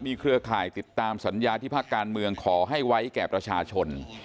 เครือข่ายติดตามสัญญาที่ภาคการเมืองขอให้ไว้แก่ประชาชน